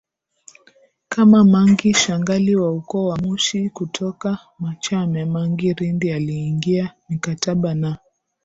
kama Mangi Shangali wa ukoo wa Mushi kutoka Machame Mangi Rindi aliyeingia mikataba na